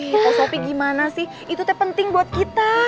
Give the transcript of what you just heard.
pos opi gimana sih itu teh penting buat kita